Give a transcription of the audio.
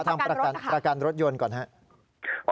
ทางประกันรถยนต์ก่อนครับ